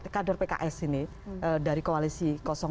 kader pks ini dari koalisi dua